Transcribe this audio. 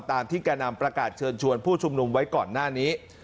ตามที่แก่นำประกาศเชิญชวนผู้ชุมนุมไว้ก่อนหน้านี้